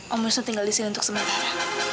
om wisnu tinggal disini untuk sementara